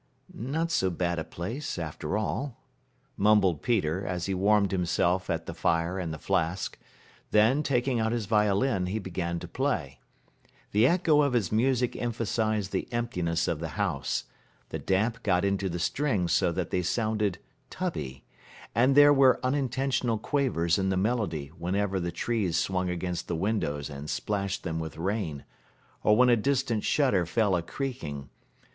"Not so bad a place, after all," mumbled Peter, as he warmed himself at the fire and the flask; then, taking out his violin, he began to play. The echo of his music emphasized the emptiness of the house, the damp got into the strings so that they sounded tubby, and there were unintentional quavers in the melody whenever the trees swung against the windows and splashed them with rain, or when a distant shutter fell a creaking.